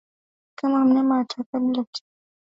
Kama mnyama atakaa bila kutibiwa anaweza kupona